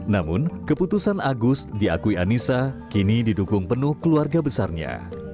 namun keputusan agus diakui anissa kini didukung penuh keluarga besarnya